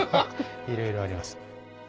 いろいろあります。